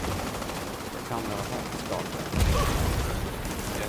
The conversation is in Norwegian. Der kann vera hardt Skal på ein mjuk Kjerne.